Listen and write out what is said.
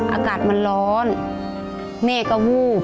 อากาศมันร้อนแม่ก็วูบ